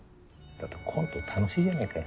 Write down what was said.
だってコント楽しいじゃねえかよ。